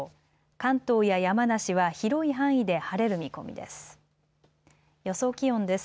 関東や山梨は広い範囲で晴れる見込みです。